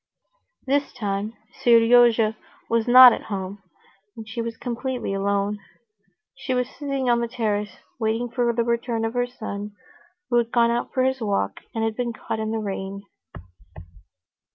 This time Seryozha was not at home, and she was completely alone. She was sitting on the terrace waiting for the return of her son, who had gone out for his walk and been caught in the rain.